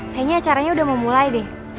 kayaknya acaranya udah mau mulai deh